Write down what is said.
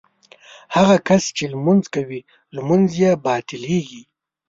هغه کس چې لمونځ کوي لمونځ یې باطلېږي.